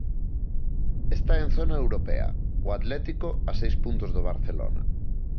Está en zona europea, o Atlético a seis puntos do Barcelona.